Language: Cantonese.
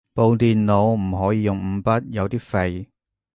部電腦唔可以用五筆，有啲廢